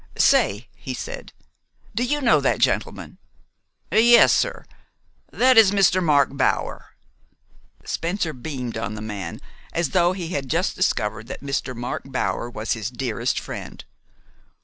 "Say," he said, "do you know that gentleman?" "Yes, sir. That is Mr. Mark Bower." Spencer beamed on the man as though he had just discovered that Mr. Mark Bower was his dearest friend.